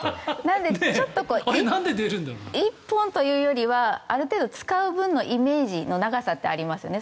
１本というよりはある程度、使う分のイメージの長さってありますね。